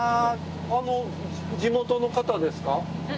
あの地元の方ですか？